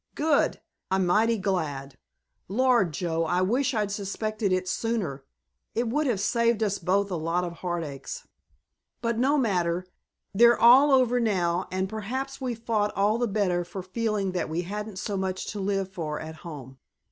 Good! I'm mighty glad. Lord, Joe, I wish I'd suspected it sooner; it would have saved us both a lot of heartaches. But no matter, they're all over now, and perhaps we fought all the better for feeling that we hadn't so much to live for at home."